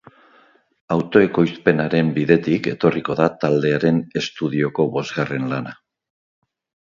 Autoekoizpenaren bidetik etorriko da taldearen estudioko bosgarren lana.